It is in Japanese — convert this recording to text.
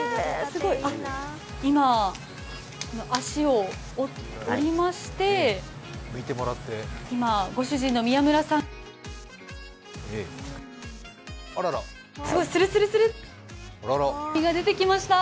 今、脚を折りまして、ご主人の宮村さんが、するするっと、身が出てきました。